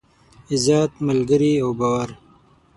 عزت، ملگري او باور.